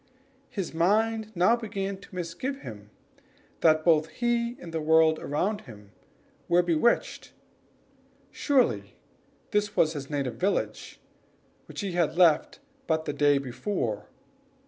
His mind now misgave him; he began to doubt whether both he and the world around him were not bewitched. Surely this was his native village, which he had left but the day before.